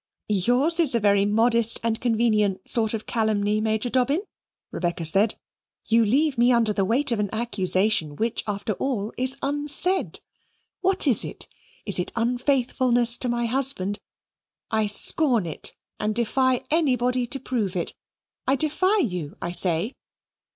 "Yours is a very modest and convenient sort of calumny, Major Dobbin," Rebecca said. "You leave me under the weight of an accusation which, after all, is unsaid. What is it? Is it unfaithfulness to my husband? I scorn it and defy anybody to prove it I defy you, I say.